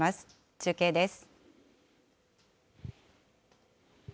中継です。